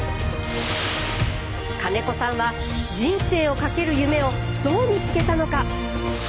金子さんは人生をかける夢をどう見つけたのか？